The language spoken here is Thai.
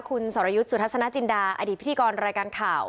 คุณสรยุทธ์สุทัศนจินดาอดีตพิธีกรรายการข่าว